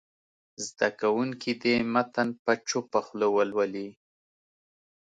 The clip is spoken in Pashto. زده کوونکي دې متن په چوپه خوله ولولي.